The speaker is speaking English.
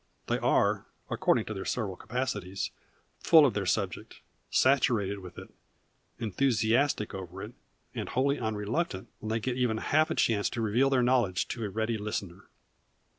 They are, according to their several capacities, full of their subject, saturated with it, enthusiastic over it, and wholly unreluctant when they get even half a chance to reveal their knowledge to a ready listener.